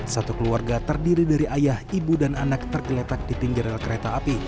satu keluarga terdiri dari ayah ibu dan anak tergeletak di pinggir rel kereta api